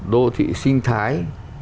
đô thị sinh thái